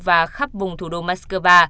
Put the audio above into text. và khắp vùng thủ đô moscow